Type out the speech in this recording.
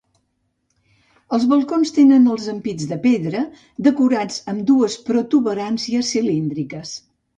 Els balcons tenen els ampits de pedra, decorats amb dues protuberàncies cilíndriques.